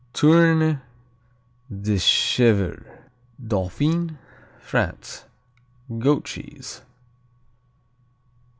Tourne de chèvre Dauphiné, France Goat cheese.